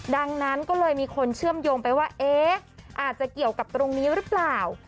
ดังนั้นก็เลยมีคนเชื่อมโยงไปว่าเอ๊ะอาจจะเกี่ยวกับตรงนี้หรือเปล่า